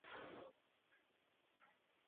Gapiga ishonsa bo‘lardi, lekin